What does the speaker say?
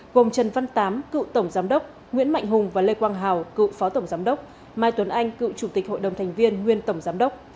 gồm trần văn tám cựu tổng giám đốc nguyễn mạnh hùng và lê quang hào cựu phó tổng giám đốc mai tuấn anh cựu chủ tịch hội đồng thành viên nguyên tổng giám đốc